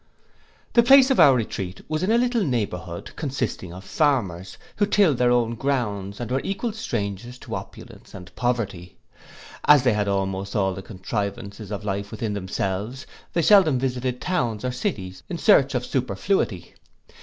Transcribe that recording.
The place of our retreat was in a little neighbourhood, consisting of farmers, who tilled their own grounds, and were equal strangers to opulence and poverty. As they had almost all the conveniencies of life within themselves, they seldom visited towns or cities in search of superfluity.